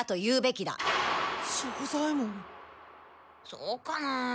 そうかなあ？